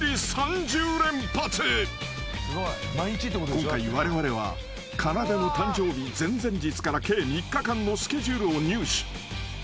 ［今回われわれはかなでの誕生日前々日から計３日間のスケジュールを入手］